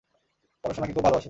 পড়াশোনাকে খুব ভালবাসে।